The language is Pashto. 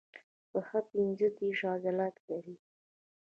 پښه پنځه دیرش عضلات لري.